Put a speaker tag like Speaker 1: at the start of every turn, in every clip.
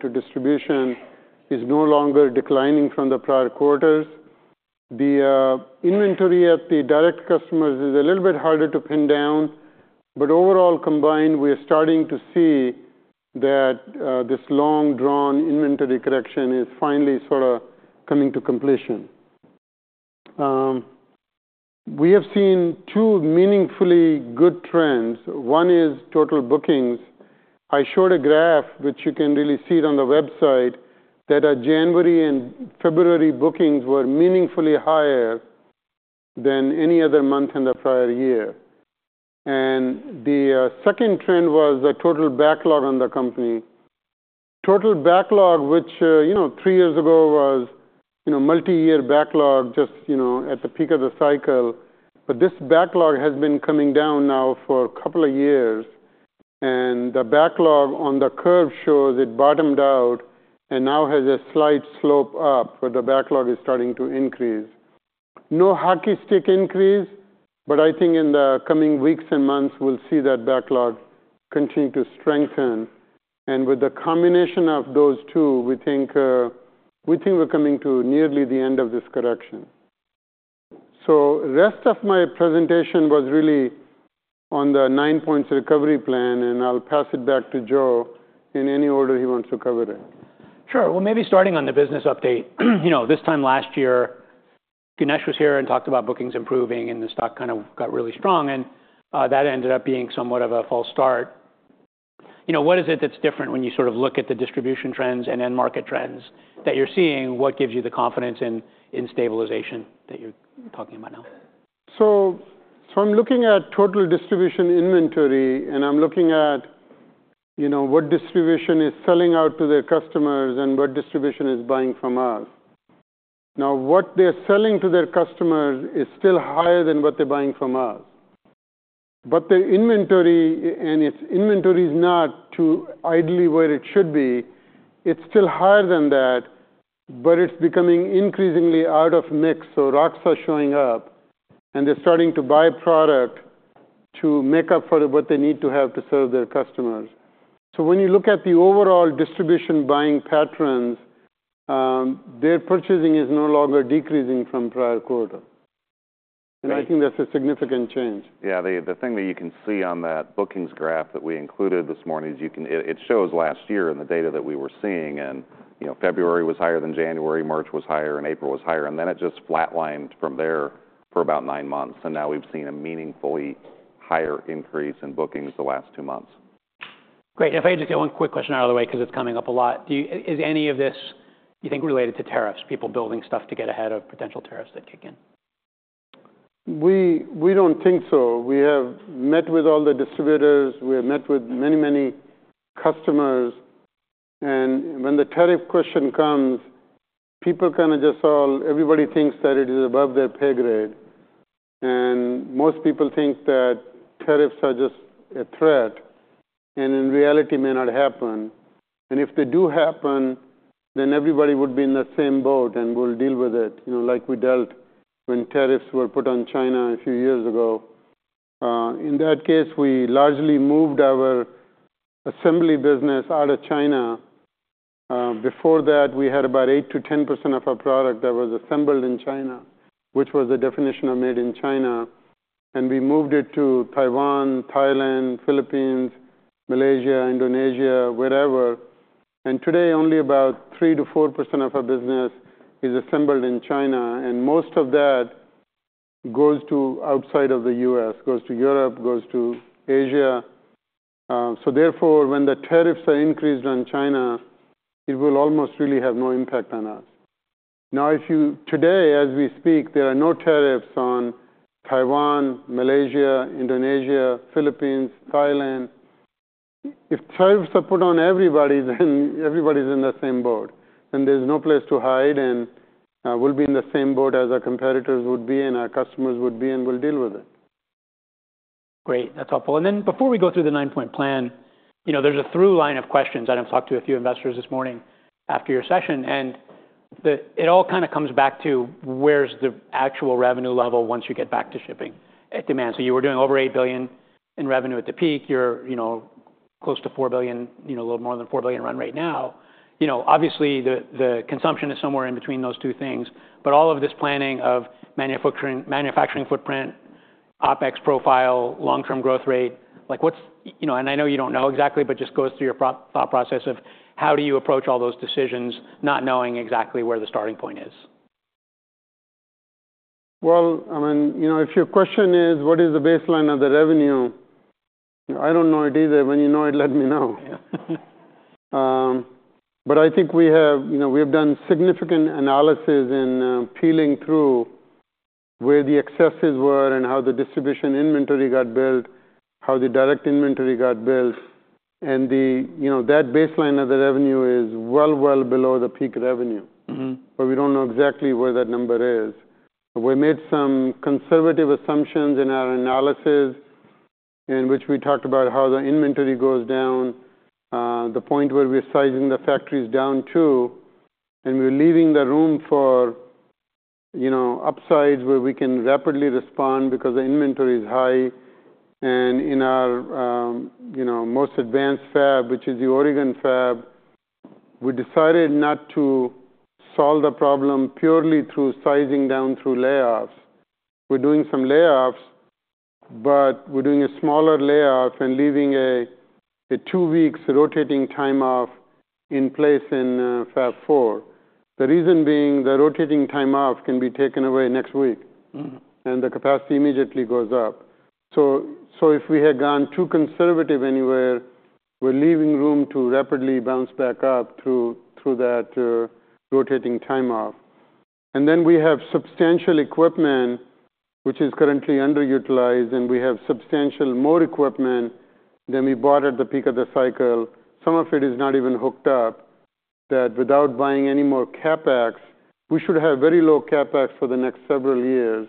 Speaker 1: The distribution is no longer declining from the prior quarters. The inventory at the direct customers is a little bit harder to pin down, but overall combined, we are starting to see that this long-drawn inventory correction is finally sort of coming to completion. We have seen two meaningfully good trends. One is total bookings. I showed a graph, which you can really see on the website, that our January and February bookings were meaningfully higher than any other month in the prior year. The second trend was a total backlog on the company. Total backlog, which, you know, three years ago was, you know, multi-year backlog, just, you know, at the peak of the cycle. But this backlog has been coming down now for a couple of years, and the backlog on the curve shows it bottomed out and now has a slight slope up, but the backlog is starting to increase. No hockey stick increase, but I think in the coming weeks and months we'll see that backlog continue to strengthen. And with the combination of those two, we think, we think we're coming to nearly the end of this correction. So the rest of my presentation was really on the nine-point recovery plan, and I'll pass it back to Joe in any order he wants to cover it.
Speaker 2: Sure. Well, maybe starting on the business update, you know, this time last year, Ganesh was here and talked about bookings improving and the stock kind of got really strong, and that ended up being somewhat of a false start. You know, what is it that's different when you sort of look at the distribution trends and end market trends that you're seeing? What gives you the confidence in stabilization that you're talking about now?
Speaker 1: So, so I'm looking at total distribution inventory, and I'm looking at, you know, what distribution is selling out to their customers and what distribution is buying from us. Now, what they're selling to their customers is still higher than what they're buying from us. But their inventory is not too idle where it should be. It's still higher than that, but it's becoming increasingly out of whack. So stocks are showing up, and they're starting to buy product to make up for what they need to have to serve their customers. So when you look at the overall distribution buying patterns, their purchasing is no longer decreasing from prior quarter. And I think that's a significant change.
Speaker 3: Yeah. The thing that you can see on that bookings graph that we included this morning is, it shows last year and the data that we were seeing. You know, February was higher than January, March was higher, and April was higher, and then it just flatlined from there for about nine months. Now we've seen a meaningfully higher increase in bookings the last two months.
Speaker 2: Great, and if I could just get one quick question out of the way, 'cause it's coming up a lot. Do you, is any of this, you think, related to tariffs, people building stuff to get ahead of potential tariffs that kick in?
Speaker 1: We don't think so. We have met with all the distributors. We have met with many, many customers. And when the tariff question comes, people kind of just all, everybody thinks that it is above their pay grade. And most people think that tariffs are just a threat and in reality may not happen. And if they do happen, then everybody would be in the same boat and we'll deal with it, you know, like we dealt when tariffs were put on China a few years ago. In that case, we largely moved our assembly business out of China. Before that, we had about 8%-10% of our product that was assembled in China, which was the definition of made in China. And we moved it to Taiwan, Thailand, Philippines, Malaysia, Indonesia, wherever. And today, only about 3%-4% of our business is assembled in China, and most of that goes to outside of the U.S., goes to Europe, goes to Asia. So therefore, when the tariffs are increased on China, it will almost really have no impact on us. Now, if you, today, as we speak, there are no tariffs on Taiwan, Malaysia, Indonesia, Philippines, Thailand. If tariffs are put on everybody, then everybody's in the same boat, and there's no place to hide, and, we'll be in the same boat as our competitors would be and our customers would be, and we'll deal with it.
Speaker 2: Great. That's helpful. And then before we go through the nine-point plan, you know, there's a through line of questions. I know I've talked to a few investors this morning after your session, and it all kind of comes back to where's the actual revenue level once you get back to shipping at demand. So you were doing over $8 billion in revenue at the peak. You're, you know, close to $4 billion, you know, a little more than $4 billion run right now. You know, obviously the consumption is somewhere in between those two things, but all of this planning of manufacturing, manufacturing footprint, OpEx profile, long-term growth rate, like what's, you know, and I know you don't know exactly, but just goes through your thought process of how do you approach all those decisions, not knowing exactly where the starting point is.
Speaker 1: Well, I mean, you know, if your question is what is the baseline of the revenue, I don't know it either. When you know it, let me know. But I think we have, you know, we have done significant analysis in peeling through where the excesses were and how the distribution inventory got built, how the direct inventory got built, and the, you know, that baseline of the revenue is well, well below the peak revenue.
Speaker 2: Mm-hmm.
Speaker 1: But we don't know exactly where that number is. We made some conservative assumptions in our analysis in which we talked about how the inventory goes down, the point where we're sizing the factories down too, and we're leaving the room for, you know, upsides where we can rapidly respond because the inventory is high. And in our, you know, most advanced fab, which is the Oregon fab, we decided not to solve the problem purely through sizing down through layoffs. We're doing some layoffs, but we're doing a smaller layoff and leaving a two-week rotating time off in place in Fab 4. The reason being the rotating time off can be taken away next week.
Speaker 2: Mm-hmm.
Speaker 1: And the capacity immediately goes up. So, if we had gone too conservative anywhere, we're leaving room to rapidly bounce back up through that rotating time off. And then we have substantial equipment, which is currently underutilized, and we have substantial more equipment than we bought at the peak of the cycle. Some of it is not even hooked up, that without buying any more CapEx, we should have very low CapEx for the next several years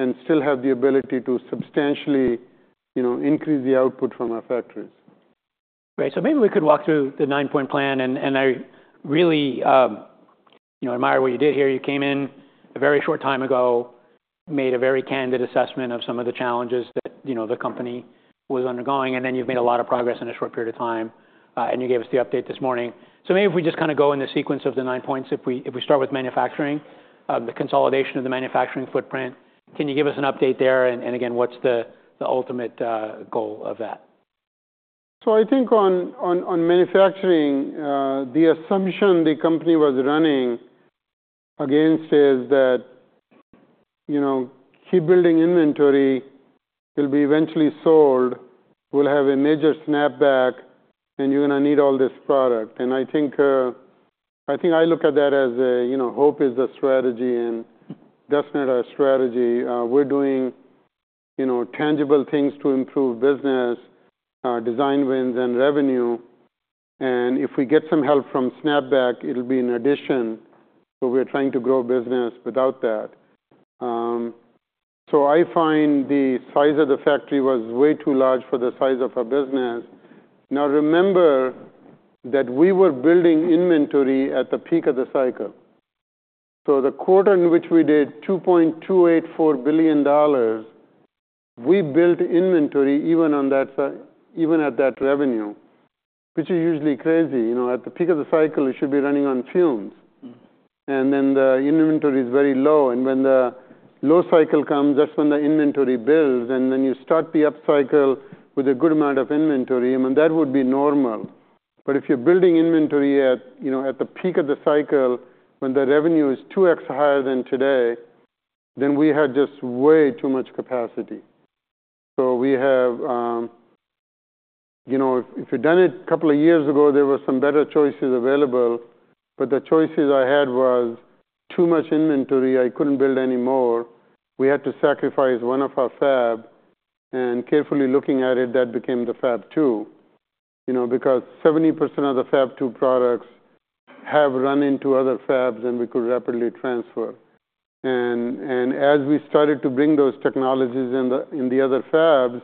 Speaker 1: and still have the ability to substantially, you know, increase the output from our factories.
Speaker 2: Great. So maybe we could walk through the nine-point plan, and I really, you know, admire what you did here. You came in a very short time ago, made a very candid assessment of some of the challenges that, you know, the company was undergoing, and then you've made a lot of progress in a short period of time, and you gave us the update this morning. So maybe if we just kind of go in the sequence of the nine points, if we start with manufacturing, the consolidation of the manufacturing footprint, can you give us an update there? And again, what's the ultimate goal of that?
Speaker 1: So I think on manufacturing, the assumption the company was running against is that, you know, keep building inventory. It'll be eventually sold. We'll have a major snapback, and you're gonna need all this product. And I think I look at that as a, you know, hope is a strategy and definitely a strategy. We're doing, you know, tangible things to improve business, design wins and revenue. And if we get some help from snapback, it'll be in addition to what we're trying to grow business without that. So I find the size of the factory was way too large for the size of our business. Now, remember that we were building inventory at the peak of the cycle. So the quarter in which we did $2.284 billion, we built inventory even on that, even at that revenue, which is usually crazy. You know, at the peak of the cycle, it should be running on fumes.
Speaker 2: Mm-hmm.
Speaker 1: And then the inventory is very low. And when the low cycle comes, that's when the inventory builds. And then you start the upcycle with a good amount of inventory. I mean, that would be normal. But if you're building inventory at, you know, at the peak of the cycle, when the revenue is 2x higher than today, then we had just way too much capacity. So we have, you know, if you'd done it a couple of years ago, there were some better choices available, but the choices I had was too much inventory. I couldn't build any more. We had to sacrifice one of our Fab. And carefully looking at it, that became the Fab 2, you know, because 70% of the Fab 2 products have run into other fabs and we could rapidly transfer. And as we started to bring those technologies in the other fabs,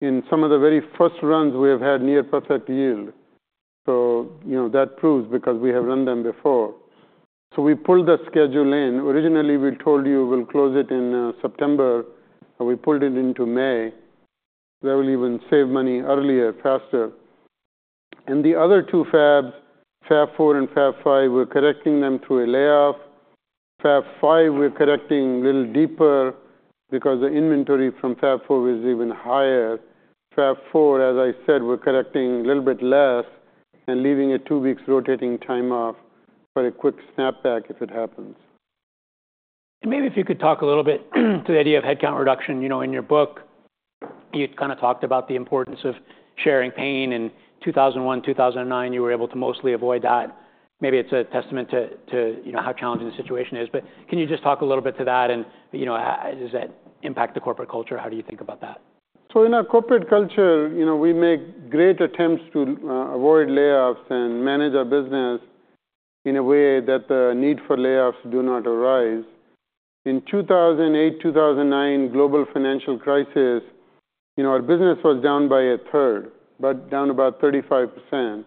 Speaker 1: in some of the very first runs, we have had near perfect yield. So, you know, that proves because we have run them before. So we pulled the schedule in. Originally, we told you we'll close it in September, and we pulled it into May. That will even save money earlier, faster. And the other two fabs, Fab 4 and Fab 5, we're correcting them through a layoff. Fab 5, we're correcting a little deeper because the inventory from Fab 4 was even higher. Fab 4, as I said, we're correcting a little bit less and leaving a two-week rotating time off for a quick snapback if it happens.
Speaker 2: And maybe if you could talk a little bit to the idea of headcount reduction, you know, in your book, you kind of talked about the importance of sharing pain. In 2001, 2009, you were able to mostly avoid that. Maybe it's a testament to, you know, how challenging the situation is. But can you just talk a little bit to that and, you know, how does that impact the corporate culture? How do you think about that?
Speaker 1: So in our corporate culture, you know, we make great attempts to avoid layoffs and manage our business in a way that the need for layoffs do not arise. In 2008-2009 global financial crisis, you know, our business was down by a third, but down about 35%,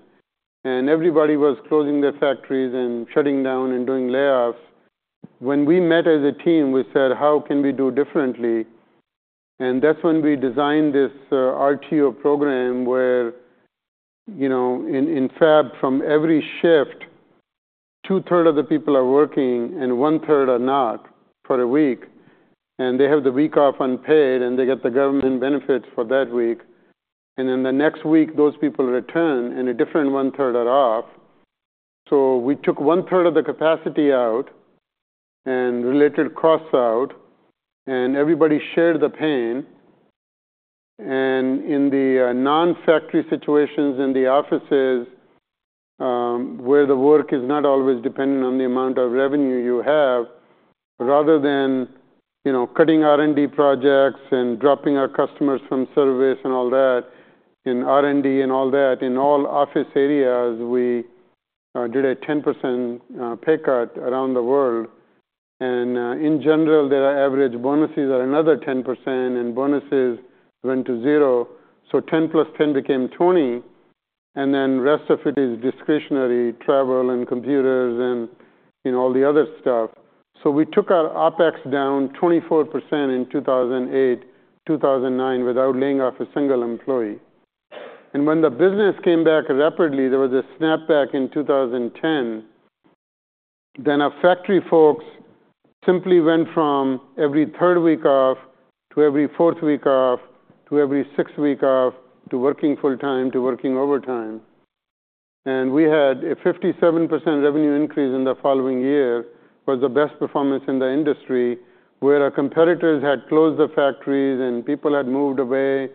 Speaker 1: and everybody was closing their factories and shutting down and doing layoffs. When we met as a team, we said, how can we do differently, and that's when we designed this RTO program where, you know, in Fab, from every shift, two-thirds of the people are working and one-third are not for a week. And they have the week off unpaid, and they get the government benefits for that week. And then the next week, those people return and a different one-third are off, so we took one-third of the capacity out and related costs out, and everybody shared the pain. In the non-factory situations in the offices, where the work is not always dependent on the amount of revenue you have, rather than you know cutting R&D projects and dropping our customers from service and all that and R&D and all that, in all office areas, we did a 10% pay cut around the world. In general, their average bonuses are another 10%, and bonuses went to zero, so 10 plus 10 became 20. And then the rest of it is discretionary travel and computers and you know all the other stuff, so we took our OpEx down 24% in 2008-2009, without laying off a single employee. When the business came back rapidly, there was a snapback in 2010. Our factory folks simply went from every third week off to every fourth week off to every sixth week off to working full-time to working overtime. And we had a 57% revenue increase in the following year, was the best performance in the industry, where our competitors had closed the factories and people had moved away,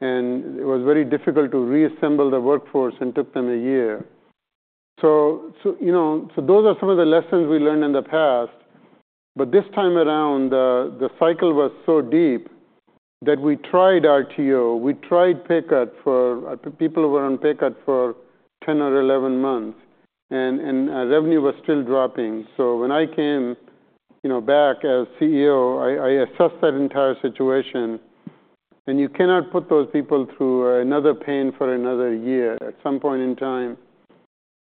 Speaker 1: and it was very difficult to reassemble the workforce and took them a year. So, you know, those are some of the lessons we learned in the past. But this time around, the cycle was so deep that we tried RTO. We tried pay cut for people who were on pay cut for 10 or 11 months, and our revenue was still dropping. So when I came, you know, back as CEO, I assessed that entire situation. And you cannot put those people through another pain for another year. At some point in time,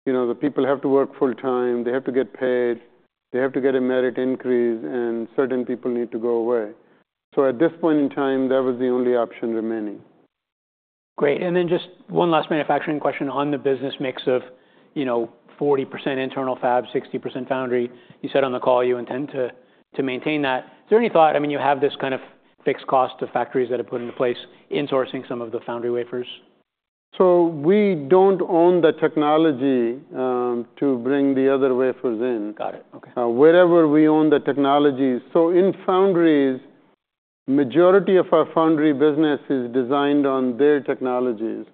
Speaker 1: you know, the people have to work full-time, they have to get paid, they have to get a merit increase, and certain people need to go away. So at this point in time, that was the only option remaining.
Speaker 2: Great. And then just one last manufacturing question on the business mix of, you know, 40% internal fab, 60% foundry. You said on the call you intend to maintain that. Is there any thought, I mean, you have this kind of fixed cost to factories that are put into place in sourcing some of the foundry wafers?
Speaker 1: We don't own the technology to bring the other wafers in.
Speaker 2: Got it. Okay.
Speaker 1: Wherever we own the technologies. So in foundries, the majority of our foundry business is designed on their technologies.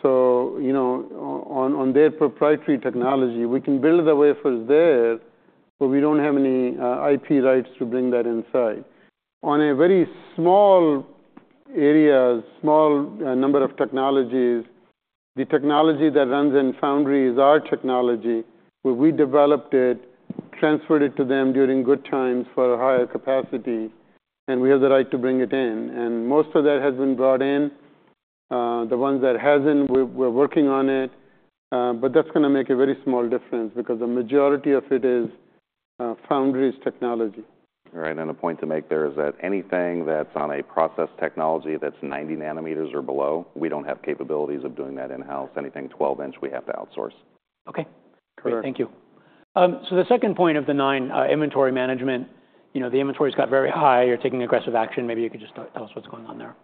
Speaker 1: So, you know, on their proprietary technology, we can build the wafers there, but we don't have any IP rights to bring that inside. On a very small area, small number of technologies, the technology that runs in foundry is our technology, where we developed it, transferred it to them during good times for a higher capacity, and we have the right to bring it in. And most of that has been brought in. The ones that hasn't, we're working on it. But that's gonna make a very small difference because the majority of it is foundry's technology.
Speaker 3: Right. A point to make there is that anything that's on a process technology that's 90 nm or below, we don't have capabilities of doing that in-house. Anything 12-inch, we have to outsource.
Speaker 2: Okay.
Speaker 3: Correct.
Speaker 2: Great. Thank you. So the second point of the nine, inventory management, you know, the inventory's got very high. You're taking aggressive action. Maybe you could just tell us what's going on there.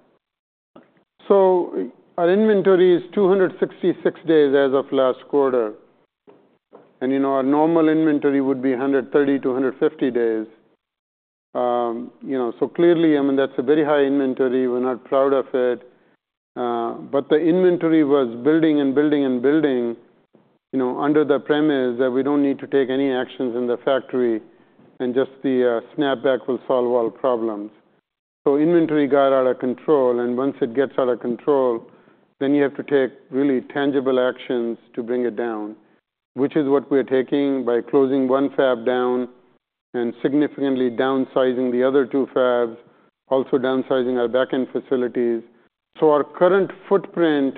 Speaker 1: So our inventory is 266 days as of last quarter. And, you know, our normal inventory would be 130-150 days. You know, so clearly, I mean, that's a very high inventory. We're not proud of it. But the inventory was building and building and building, you know, under the premise that we don't need to take any actions in the factory and just the snapback will solve all problems. So inventory got out of control, and once it gets out of control, then you have to take really tangible actions to bring it down, which is what we're taking by closing one fab down and significantly downsizing the other two fabs, also downsizing our backend facilities. So our current footprint,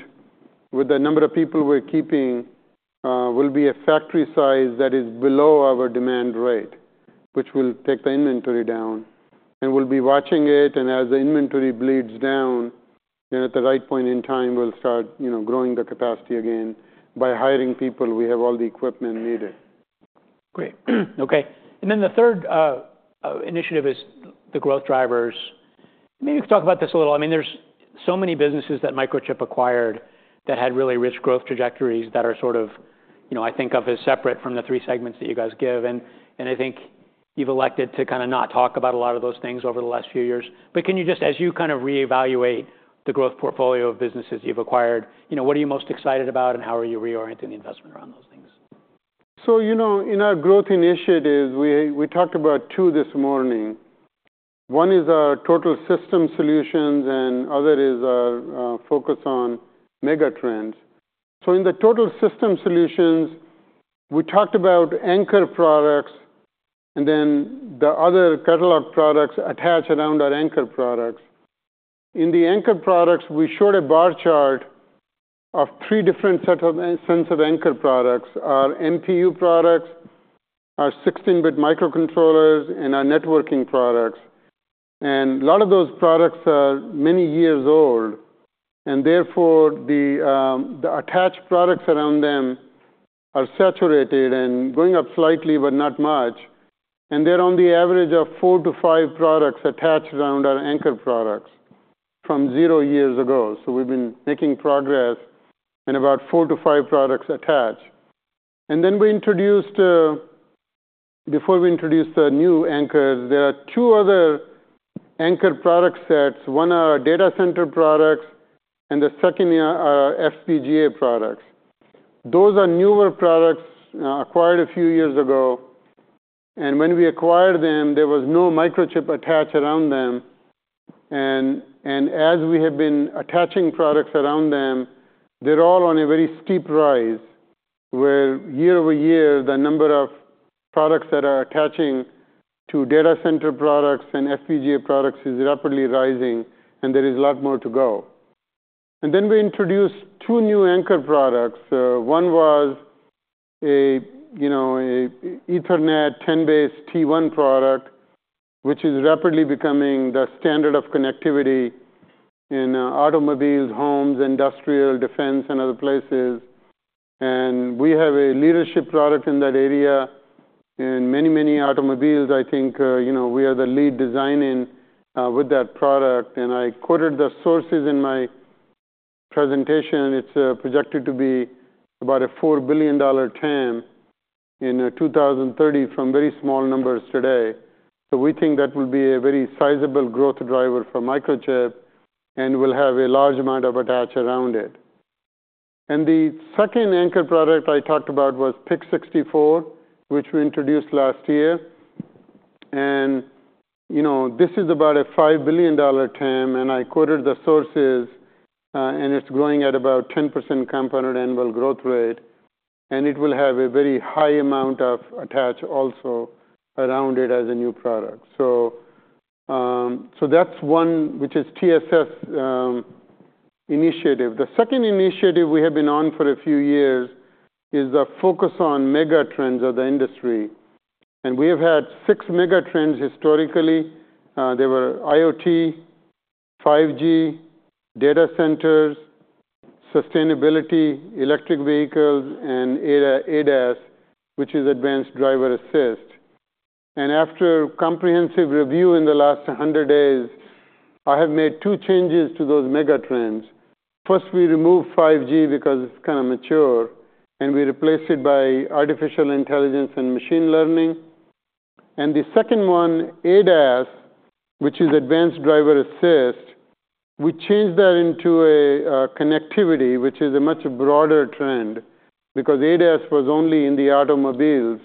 Speaker 1: with the number of people we're keeping, will be a factory size that is below our demand rate, which will take the inventory down. And we'll be watching it, and as the inventory bleeds down, you know, at the right point in time, we'll start, you know, growing the capacity again by hiring people. We have all the equipment needed.
Speaker 2: Great. Okay. And then the third initiative is the growth drivers. Maybe you could talk about this a little. I mean, there's so many businesses that Microchip acquired that had really rich growth trajectories that are sort of, you know, I think of as separate from the three segments that you guys give. And I think you've elected to kind of not talk about a lot of those things over the last few years. But can you just, as you kind of reevaluate the growth portfolio of businesses you've acquired, you know, what are you most excited about, and how are you reorienting the investment around those things?
Speaker 1: So, you know, in our growth initiatives, we talked about two this morning. One is our Total System Solutions, and other is our focus on Megatrends. In the Total System Solutions, we talked about Anchor Products, and then the other catalog products attached around our Anchor Products. In the Anchor Products, we showed a bar chart of three different sets of Anchor Products: our MPU products, our 16-bit microcontrollers, and our networking products. And a lot of those products are many years old, and therefore the attached products around them are saturated and going up slightly, but not much. And they're on the average of four to five products attached around our Anchor Products from zero years ago. So we've been making progress in about four to five products attached. And then we introduced, before we introduced the new Anchor products, there are two other Anchor product sets. One are our data center products, and the second are our FPGA products. Those are newer products, acquired a few years ago. And when we acquired them, there was no Microchip attached around them. And as we have been attaching products around them, they're all on a very steep rise, where year over year, the number of products that are attaching to data center products and FPGA products is rapidly rising, and there is a lot more to go. And then we introduced two new Anchor products. One was a, you know, an Ethernet 10BASE-T1 product, which is rapidly becoming the standard of connectivity in automobiles, homes, industrial, defense, and other places. And we have a leadership product in that area. Many, many automobiles, I think, you know, we are the lead design in with that product. I quoted the sources in my presentation. It's projected to be about a $4 billion TAM in 2030 from very small numbers today. So we think that will be a very sizable growth driver for Microchip, and we'll have a large amount of attached around it. The second Anchor product I talked about was PIC64, which we introduced last year. You know, this is about a $5 billion TAM, and I quoted the sources, and it's growing at about 10% compounded annual growth rate. It will have a very high amount of attached also around it as a new product. So that's one, which is TSS, initiative. The second initiative we have been on for a few years is the focus on Megatrends of the industry. We have had six Megatrends historically. They were IoT, 5G, data centers, sustainability, electric vehicles, and ADAS, which is advanced driver assistance. After comprehensive review in the last 100 days, I have made two changes to those Megatrends. First, we removed 5G because it's kind of mature, and we replaced it by artificial intelligence and machine learning. The second one, ADAS, which is advanced driver assistance, we changed that into connectivity, which is a much broader trend because ADAS was only in the automobiles.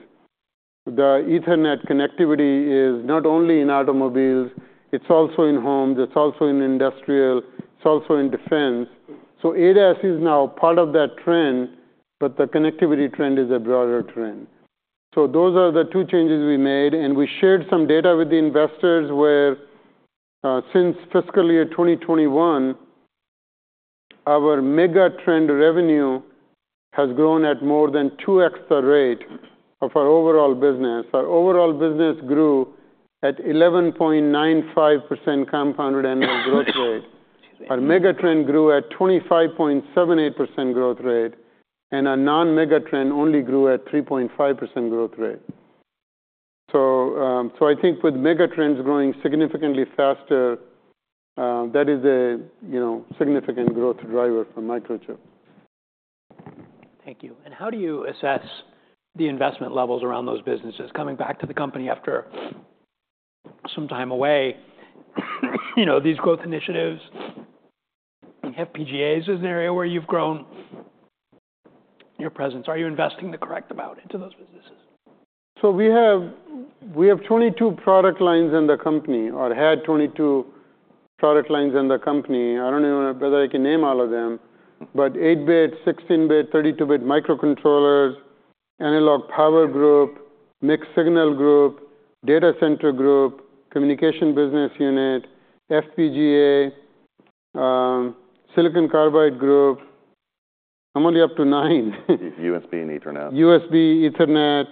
Speaker 1: The Ethernet connectivity is not only in automobiles, it's also in homes, it's also in industrial, it's also in defense. ADAS is now part of that trend, but the connectivity trend is a broader trend. Those are the two changes we made. We shared some data with the investors where, since fiscal year 2021, our Megatrend revenue has grown at more than 2X the rate of our overall business. Our overall business grew at 11.95% compounded annual growth rate. Our Megatrend grew at 25.78% growth rate, and our non-Megatrend only grew at 3.5% growth rate. So I think with Megatrends growing significantly faster, that is a, you know, significant growth driver for Microchip.
Speaker 2: Thank you. And how do you assess the investment levels around those businesses? Coming back to the company after some time away, you know, these growth initiatives, FPGAs is an area where you've grown your presence. Are you investing the correct amount into those businesses?
Speaker 1: We have 22 product lines in the company or had 22 product lines in the company. I don't even know whether I can name all of them, but 8-bit, 16-bit, 32-bit microcontrollers, analog power group, mixed signal group, data center group, communication business unit, FPGA, silicon carbide group. I'm only up to nine.
Speaker 3: USB and Ethernet.
Speaker 1: USB, Ethernet,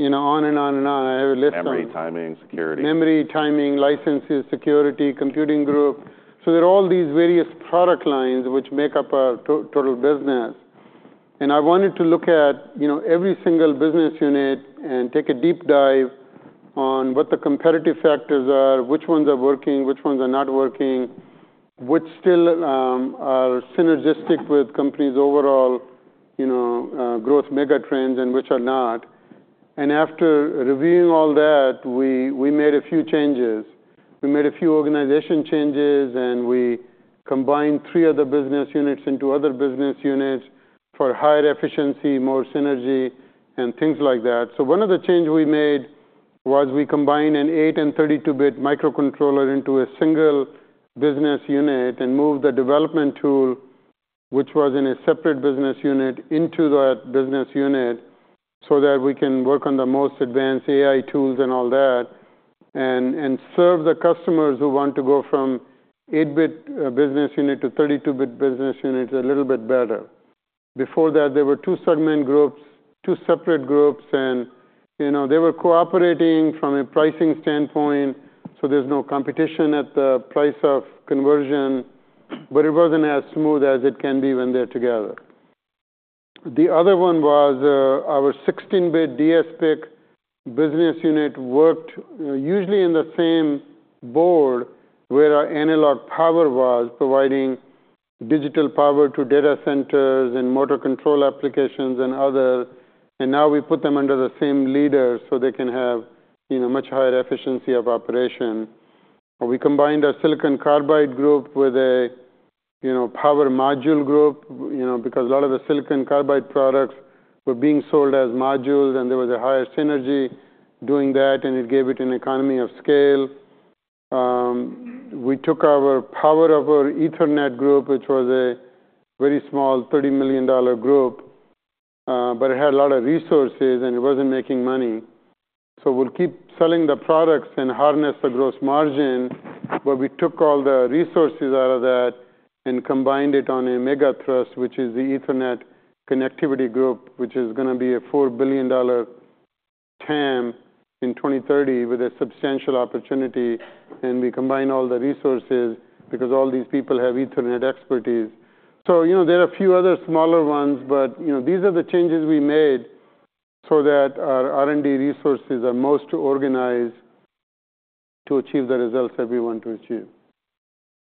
Speaker 1: you know, on and on and on. I have a list of.
Speaker 3: Memory, timing, security.
Speaker 1: Memory, timing, licenses, security, computing group. So there are all these various product lines which make up our total business. And I wanted to look at, you know, every single business unit and take a deep dive on what the competitive factors are, which ones are working, which ones are not working, which still are synergistic with company's overall, you know, growth Megatrends and which are not. And after reviewing all that, we made a few changes. We made a few organizational changes, and we combined three other business units into other business units for higher efficiency, more synergy, and things like that. One of the changes we made was we combined an 8 and 32-bit microcontroller into a single business unit and moved the development tool, which was in a separate business unit, into that business unit so that we can work on the most advanced AI tools and all that, and serve the customers who want to go from 8-bit business unit to 32-bit business units a little bit better. Before that, there were two segment groups, two separate groups, and, you know, they were cooperating from a pricing standpoint, so there's no competition at the price of conversion, but it wasn't as smooth as it can be when they're together. The other one was, our 16-bit dsPIC business unit worked, usually in the same board where our analog power was providing digital power to data centers and motor control applications and other. And now we put them under the same leader so they can have, you know, much higher efficiency of operation. We combined our silicon carbide group with a, you know, power module group, you know, because a lot of the silicon carbide products were being sold as modules, and there was a higher synergy doing that, and it gave it an economy of scale. We took our power of our Ethernet group, which was a very small $30 million group, but it had a lot of resources, and it wasn't making money. So we'll keep selling the products and harness the gross margin, but we took all the resources out of that and combined it into a Megatrend, which is the Ethernet connectivity group, which is gonna be a $4 billion TAM in 2030 with a substantial opportunity. We combine all the resources because all these people have Ethernet expertise. You know, there are a few other smaller ones, but, you know, these are the changes we made so that our R&D resources are most organized to achieve the results that we want to achieve.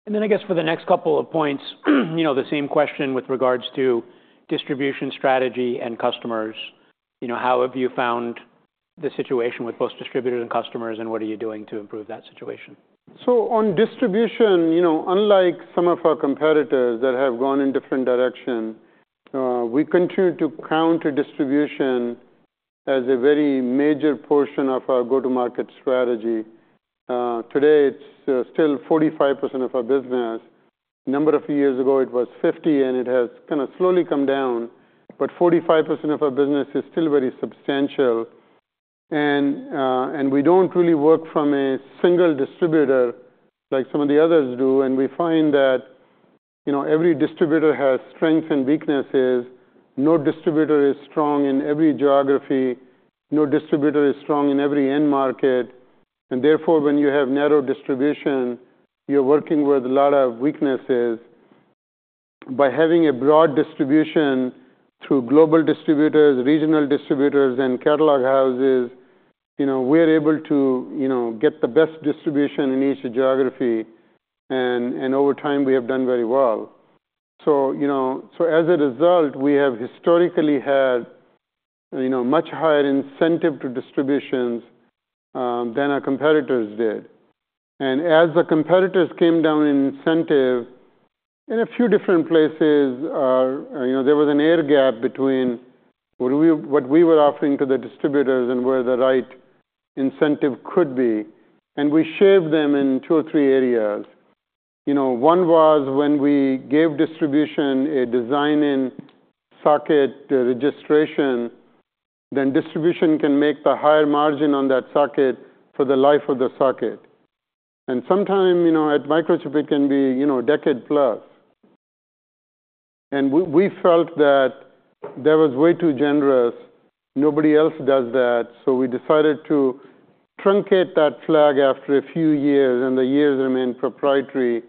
Speaker 2: And then I guess for the next couple of points, you know, the same question with regards to distribution strategy and customers. You know, how have you found the situation with both distributors and customers, and what are you doing to improve that situation?
Speaker 1: So on distribution, you know, unlike some of our competitors that have gone in different directions, we continue to count distribution as a very major portion of our go-to-market strategy. Today it's still 45% of our business. A number of years ago, it was 50%, and it has kind of slowly come down, but 45% of our business is still very substantial. And we don't really work from a single distributor like some of the others do. And we find that, you know, every distributor has strengths and weaknesses. No distributor is strong in every geography. No distributor is strong in every end market. And therefore, when you have narrow distribution, you're working with a lot of weaknesses. By having a broad distribution through global distributors, regional distributors, and catalog houses, you know, we're able to, you know, get the best distribution in each geography. Over time, we have done very well. So, you know, so as a result, we have historically had, you know, much higher incentives to distributors than our competitors did. And as the competitors came down in incentives in a few different places, you know, there was an air gap between what we were offering to the distributors and where the right incentive could be. And we shaved them in two or three areas. You know, one was when we gave distributors a design-in socket registration, then distributors can make the higher margin on that socket for the life of the socket. And sometimes, you know, at Microchip, it can be, you know, a decade plus. And we felt that that was way too generous. Nobody else does that. So we decided to truncate that benefit after a few years, and then it remained proprietary.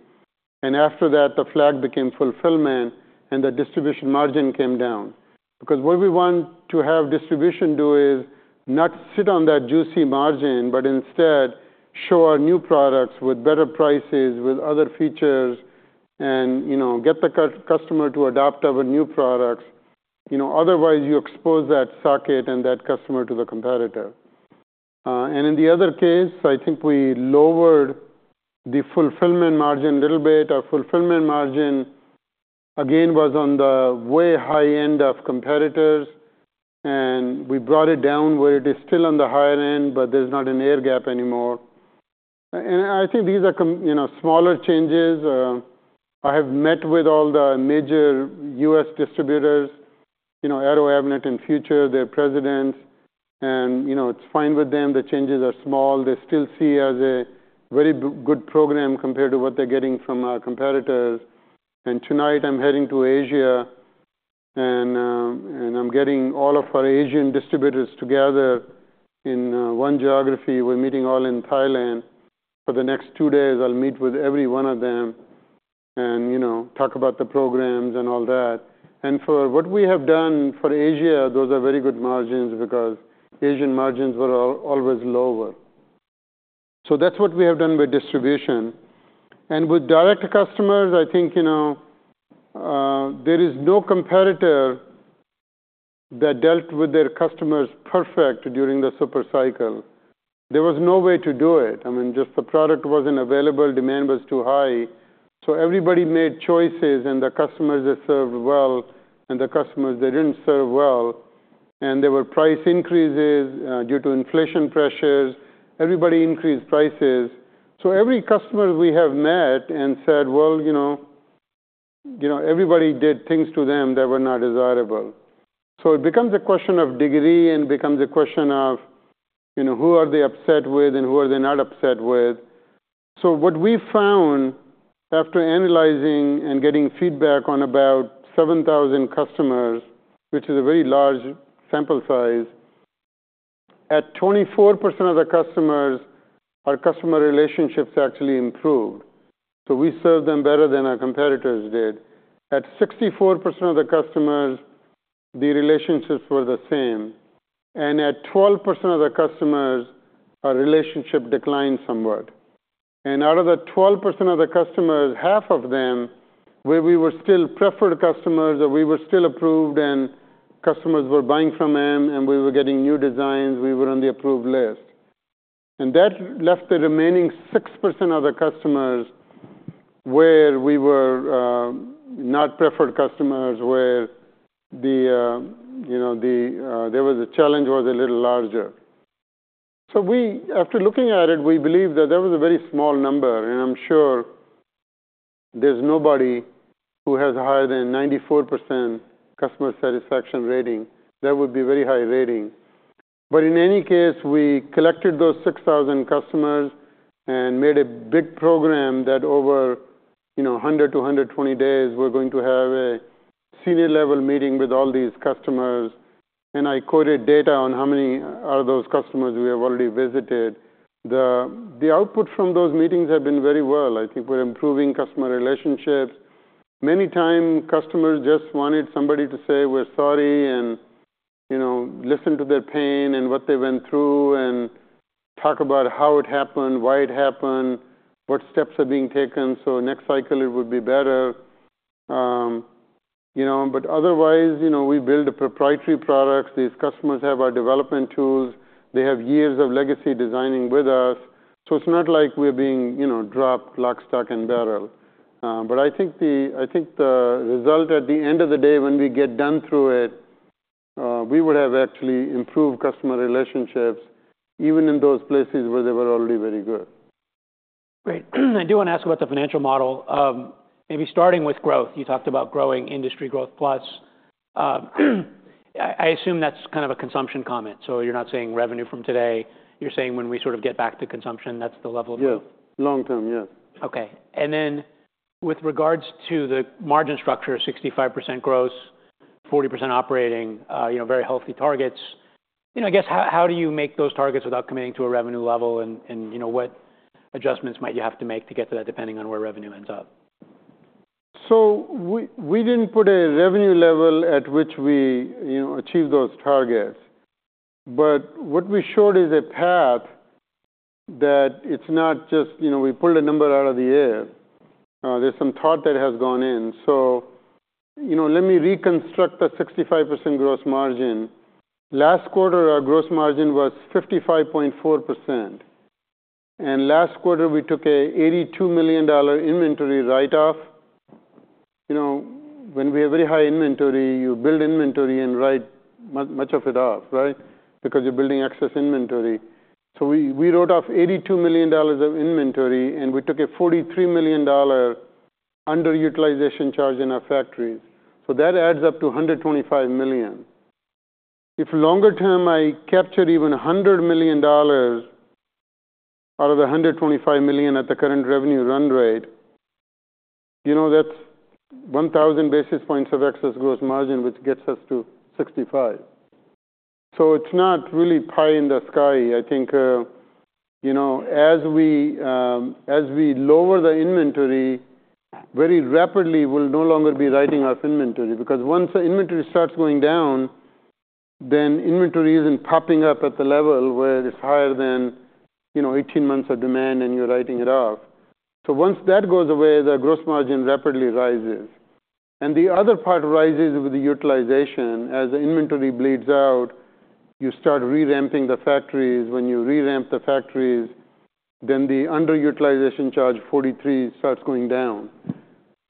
Speaker 1: After that, the flag became fulfillment, and the distribution margin came down. Because what we want to have distribution do is not sit on that juicy margin, but instead show our new products with better prices, with other features, and, you know, get the customer to adopt our new products. You know, otherwise, you expose that socket and that customer to the competitor. And in the other case, I think we lowered the fulfillment margin a little bit. Our fulfillment margin, again, was on the way high end of competitors, and we brought it down where it is still on the higher end, but there's not an air gap anymore. And I think these are, you know, smaller changes. I have met with all the major U.S. distributors, you know, Arrow, Avnet, and Future, their presidents. You know, it's fine with them. The changes are small. They still see it as a very good program compared to what they're getting from our competitors, and tonight, I'm heading to Asia, and I'm getting all of our Asian distributors together in one geography. We're meeting all in Thailand. For the next two days, I'll meet with every one of them and, you know, talk about the programs and all that, and for what we have done for Asia, those are very good margins because Asian margins were always lower, so that's what we have done with distribution, and with direct customers, I think, you know, there is no competitor that dealt with their customers perfect during the supercycle. There was no way to do it. I mean, just the product wasn't available. Demand was too high. So everybody made choices, and the customers that served well and the customers that didn't serve well, and there were price increases, due to inflation pressures. Everybody increased prices. So every customer we have met and said, "Well, you know, everybody did things to them that were not desirable." So it becomes a question of degree, and it becomes a question of, you know, who are they upset with and who are they not upset with. So what we found after analyzing and getting feedback on about 7,000 customers, which is a very large sample size, at 24% of the customers, our customer relationships actually improved. So we served them better than our competitors did. At 64% of the customers, the relationships were the same. And at 12% of the customers, our relationship declined somewhat. And out of the 12% of the customers, half of them, where we were still preferred customers or we were still approved and customers were buying from them, and we were getting new designs, we were on the approved list. And that left the remaining 6% of the customers where we were not preferred customers where the, you know, there was a challenge was a little larger. So we, after looking at it, we believe that that was a very small number. And I'm sure there's nobody who has higher than 94% customer satisfaction rating. That would be a very high rating. But in any case, we collected those 6,000 customers and made a big program that over, you know, 100-120 days, we're going to have a senior-level meeting with all these customers. And I quoted data on how many are those customers we have already visited. The output from those meetings have been very well. I think we're improving customer relationships. Many times, customers just wanted somebody to say, "We're sorry," and, you know, listen to their pain and what they went through and talk about how it happened, why it happened, what steps are being taken so next cycle it would be better, you know. But otherwise, you know, we build proprietary products. These customers have our development tools. They have years of legacy designing with us. So it's not like we're being, you know, dropped, locked, stuck, and barreled, but I think the result at the end of the day, when we get done through it, we would have actually improved customer relationships even in those places where they were already very good.
Speaker 2: Great. I do wanna ask about the financial model. Maybe starting with growth. You talked about growing, industry growth plus. I, I assume that's kind of a consumption comment. So you're not saying revenue from today. You're saying when we sort of get back to consumption, that's the level of growth.
Speaker 1: Yeah. Long term, yes.
Speaker 2: Okay. And then with regards to the margin structure, 65% gross, 40% operating, you know, very healthy targets. You know, I guess how do you make those targets without committing to a revenue level and, you know, what adjustments might you have to make to get to that depending on where revenue ends up?
Speaker 1: So we didn't put a revenue level at which we, you know, achieved those targets. But what we showed is a path that it's not just, you know, we pulled a number out of the air. There's some thought that has gone in. So, you know, let me reconstruct the 65% gross margin. Last quarter, our gross margin was 55.4%. And last quarter, we took an $82 million inventory write-off. You know, when we have very high inventory, you build inventory and write much of it off, right? Because you're building excess inventory. So we wrote off $82 million of inventory, and we took a $43 million underutilization charge in our factories. So that adds up to $125 million. If longer term, I capture even $100 million out of the $125 million at the current revenue run rate, you know, that's 1,000 basis points of excess gross margin, which gets us to 65. So it's not really pie in the sky. I think, you know, as we, as we lower the inventory, very rapidly, we'll no longer be writing off inventory. Because once the inventory starts going down, then inventory isn't popping up at the level where it's higher than, you know, 18 months of demand, and you're writing it off. So once that goes away, the gross margin rapidly rises. And the other part rises with the utilization. As the inventory bleeds out, you start reramping the factories. When you reramp the factories, then the underutilization charge, 43, starts going down.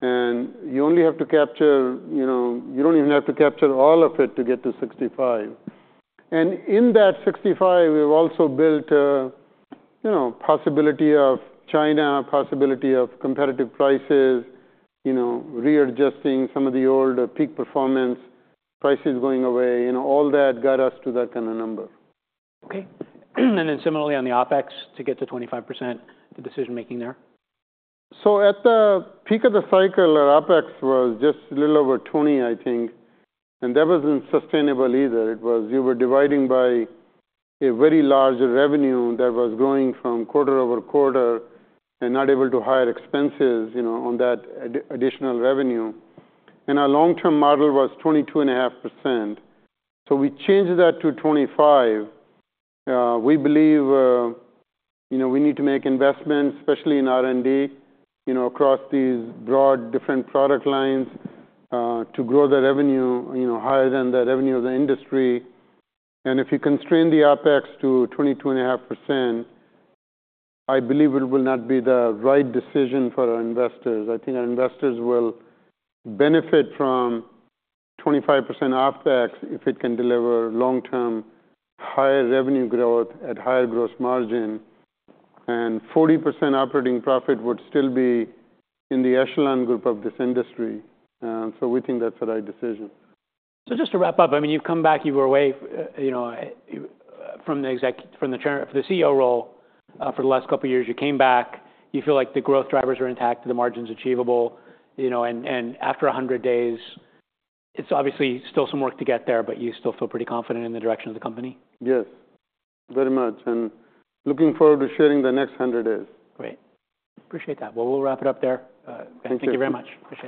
Speaker 1: And you only have to capture, you know, you don't even have to capture all of it to get to 65. And in that 65, we've also built a, you know, possibility of China, possibility of competitive prices, you know, readjusting some of the old peak performance prices going away. You know, all that got us to that kind of number.
Speaker 2: Okay. And then similarly on the OpEx, to get to 25%, the decision-making there?
Speaker 1: So at the peak of the cycle, our OpEx was just a little over 20%, I think. And that wasn't sustainable either. It was you were dividing by a very large revenue that was growing from quarter over quarter and not able to hire expenses, you know, on that additional revenue. And our long-term model was 22.5%. So we changed that to 25%. We believe, you know, we need to make investments, especially in R&D, you know, across these broad different product lines, to grow the revenue, you know, higher than the revenue of the industry. And if you constrain the OpEx to 22.5%, I believe it will not be the right decision for our investors. I think our investors will benefit from 25% OpEx if it can deliver long-term higher revenue growth at higher gross margin. 40% operating profit would still be in the echelon group of this industry. So we think that's the right decision.
Speaker 2: So just to wrap up, I mean, you've come back. You were away, you know, from the exec chair for the CEO role, for the last couple of years. You came back. You feel like the growth drivers are intact, the margin's achievable, you know, and after 100 days, it's obviously still some work to get there, but you still feel pretty confident in the direction of the company?
Speaker 1: Yes. Very much. And looking forward to sharing the next 100 days.
Speaker 2: Great. Appreciate that. Well, we'll wrap it up there. Thank you very much.
Speaker 1: Thank you.